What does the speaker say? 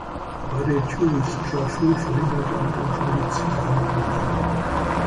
Bei der Tourist Trophy verhinderte ein Unfall die Zielankunft.